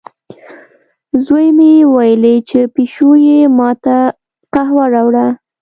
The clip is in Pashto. زوی مې وویلې، چې پیشو یې ما ته قهوه راوړه.